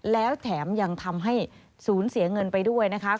แล้วแถมยังทำให้สูญเสียเงินไปด้วยนะคะ